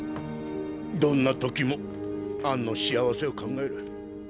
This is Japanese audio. どんな時もアンの幸せを考える。